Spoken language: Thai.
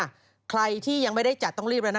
ใครที่ยังไม่ได้จัดต้องรีบแล้วนะ